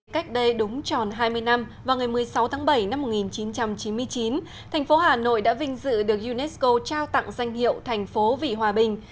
cách đây đúng tròn hai mươi năm vào ngày một mươi sáu tháng bảy năm một nghìn chín trăm chín mươi chín thành phố hà nội đã vinh dự được unesco trao tặng danh hiệu thành phố vị hòa bình